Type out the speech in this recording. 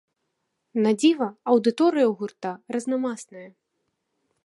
Надзіва, аўдыторыя ў гурта разнамасная.